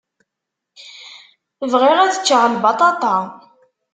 Bɣiɣ ad ččeɣ lbaṭaṭa.